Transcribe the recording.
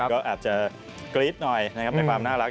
ก็อาจจะกรี๊ดหน่อยนะครับในความน่ารัก